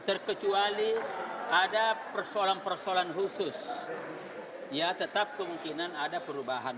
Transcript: terkecuali ada persoalan persoalan khusus ya tetap kemungkinan ada perubahan